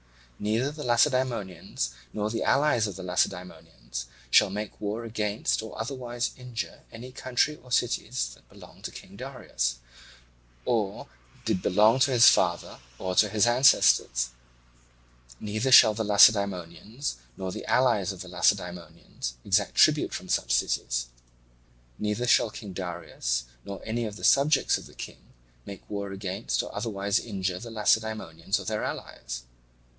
Neither the Lacedaemonians nor the allies of the Lacedaemonians shall make war against or otherwise injure any country or cities that belong to King Darius or did belong to his father or to his ancestors; neither shall the Lacedaemonians nor the allies of the Lacedaemonians exact tribute from such cities. Neither shall King Darius nor any of the subjects of the King make war against or otherwise injure the Lacedaemonians or their allies.